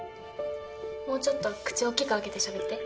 もうちょっと口大きく開けてしゃべって。